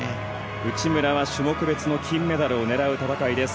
内村は種目別の金メダルを狙う戦いです。